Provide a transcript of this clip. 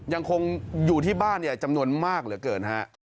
ยังคงอยู่ที่บ้านจำนวนมากเหลือเกินฮะ